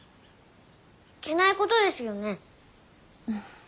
いけないことですよね。